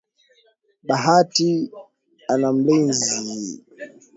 Bahati ana mlizi